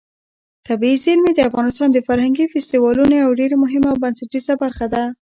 طبیعي زیرمې د افغانستان د فرهنګي فستیوالونو یوه ډېره مهمه او بنسټیزه برخه ده.